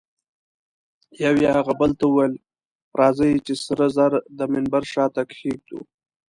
یوه یې هغه بل ته وویل: راځئ چي سره زر د منبر شاته کښېږدو.